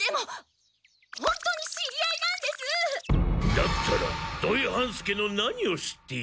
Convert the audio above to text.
だったら土井半助の何を知っている？